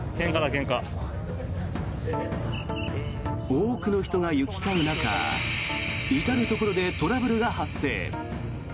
多くの人が行き交う中至るところでトラブルが発生。